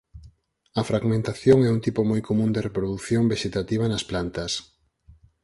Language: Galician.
A fragmentación é un tipo moi común de reprodución vexetativa nas plantas.